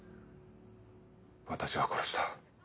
私が殺した。